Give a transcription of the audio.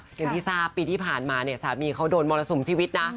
อย่างที่ทราบปีที่ผ่านมาเนี่ยสามีเขาโดนมรสุมชีวิตนะ